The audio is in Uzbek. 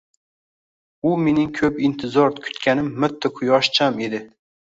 U mening ko`p intizor kutganim mitti quyoshcham edi